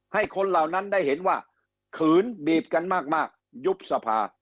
ให้คนเหล่านั้นได้เห็นว่าขืนบีบกันมากยุบสภา